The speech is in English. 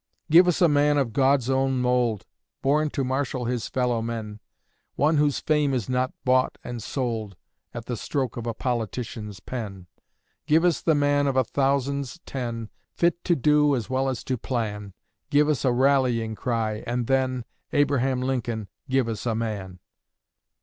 Give us a man of God's own mould, Born to marshal his fellow men; One whose fame is not bought and sold At the stroke of a politician's pen; Give us the man of thousands ten, Fit to do as well as to plan; Give us a rallying cry, and then, Abraham Lincoln, give us a MAN!